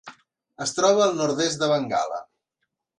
Es troba al nord-est de Bengala.